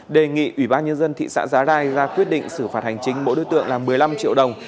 đề nghị ủy ban nhân dân thị xã giá rai ra quyết định xử phạt hành chính mỗi đối tượng là một mươi năm triệu đồng